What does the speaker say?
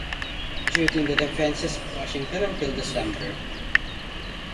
Duty in the Defenses of Washington until December.